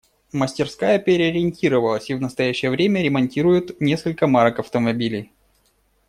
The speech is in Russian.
Мастерская переориентировалась и в настоящее время ремонтирует несколько марок автомобилей.